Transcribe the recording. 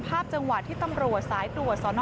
ยังเวอร์ยังเวอร์